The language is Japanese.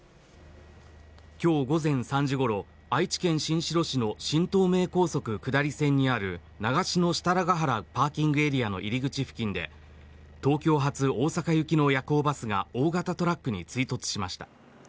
今日午前３時ごろ愛知県新城市の新東名高速下り線にある長篠設楽原パーキングエリアの入り口付近で東京発・大阪行きの夜行バスが大型トラックに追突しました。